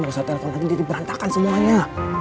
lo gak usah telfon andin jadi berantakan semuanya